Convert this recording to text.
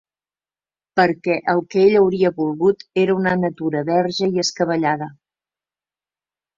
Perquè el que ell hauria volgut era una natura verge i escabellada